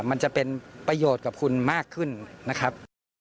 มันจะเป็นประโยชน์กับคุณมากขึ้นนะครับ